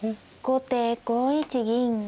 後手５一銀。